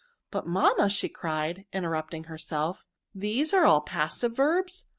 But, mamma," cried she, inter rupting herself, " these are all passive verbs ?